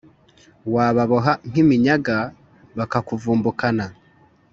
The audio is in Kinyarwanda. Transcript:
Wababoha nk'iminyaga bakakuvumbukana